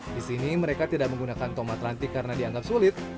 di sini mereka tidak menggunakan tomat ranting karena dianggap sulit